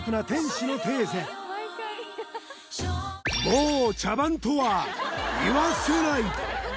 もう茶番とは言わせない！